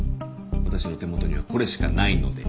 私の手元にはこれしかないので。